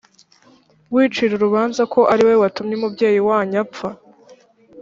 wicira urubanza ko ari we watumye umubyeyi wanyu apfa